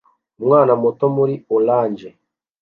Umwana muto muri orange